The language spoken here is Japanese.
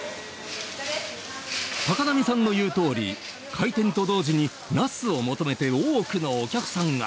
高波さんの言うとおり開店と同時にナスを求めて多くのお客さんが。